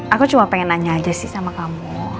aku cuma pengen nanya aja sih sama kamu